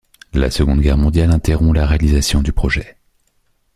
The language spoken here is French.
La Seconde Guerre mondiale interrompt la réalisation du projet.